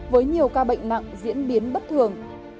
với nhiều ca bệnh nặng diễn biến bất thường